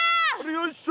よいしょ！